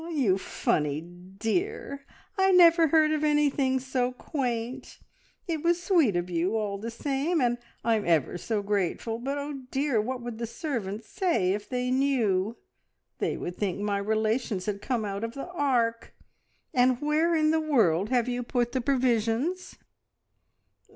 "You funny dear, I never heard of anything so quaint! It was sweet of you all the same, and I'm ever so grateful. But, oh dear! what would the servants say if they knew! They would think my relations had come out of the Ark. And where in the world have you put the provisions?"